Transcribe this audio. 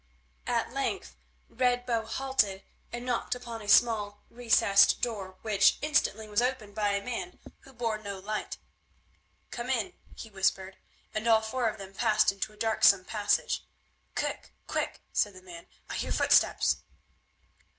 At length Red Bow halted and knocked upon a small recessed door, which instantly was opened by a man who bore no light. "Come in," he whispered, and all four of them passed into a darksome passage. "Quick, quick!" said the man, "I hear footsteps."